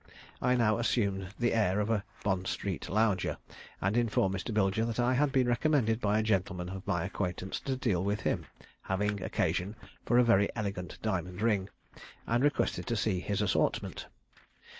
I now assumed the air of a Bond Street lounger, and informed Mr. Bilger that I had been recommended by a gentleman of my acquaintance to deal with him, having occasion for a very elegant diamond ring, and requested to see his assortment.